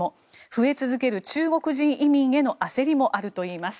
増え続ける中国人移民への焦りもあるといいます。